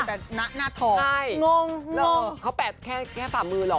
อ่ะหน้าหน้าทองใช่งงงแล้วเขาแปะแค่แค่ฝ่ามือเหรอ